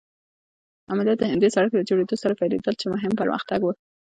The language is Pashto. عملیات د همدې سړک له جوړېدو سره پيلېدل چې مهم پرمختګ و.